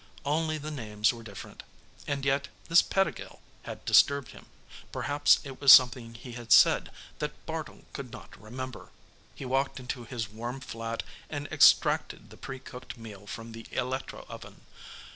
Only the names were different. And yet, this Pettigill had disturbed him. Perhaps it was something he had said that Bartle could not remember. He walked into his warm flat and extracted the pre cooked meal from the electroven.